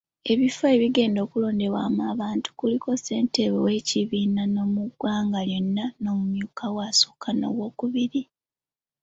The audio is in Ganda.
Ebifo ebigenda okulondebwamu abantu kuliko Ssentebe w’ekibiina mu ggwanga lyonna, omumyuka we asooka n’owookubiri.